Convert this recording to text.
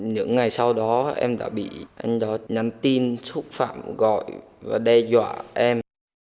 những ngày sau đó em đã bị anh đó nhắn tin xúc phạm gọi và đe dọa em